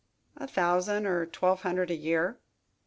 "A thousand or twelve hundred a year."